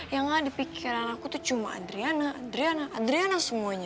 yang ada di pikiran aku tuh cuma adriana adriana adriana semuanya